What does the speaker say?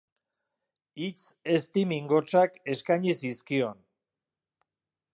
Hitz ezti-mingotsak eskaini zizkion.